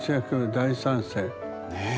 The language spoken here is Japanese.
ねえ！